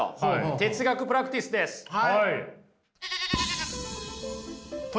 哲学プラクティスです。